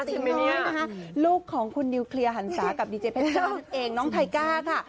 อาติร้อยนะครับลูกของคุณนิวเคลียร์หันซ้ากับดีเจเพชรเจ้าเองน้องไทก้าค่ะ